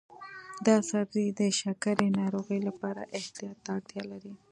دا سبزی د شکرې ناروغانو لپاره احتیاط ته اړتیا لري.